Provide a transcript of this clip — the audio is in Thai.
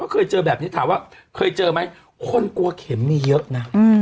เคยเจอแบบนี้ถามว่าเคยเจอไหมคนกลัวเข็มมีเยอะนะ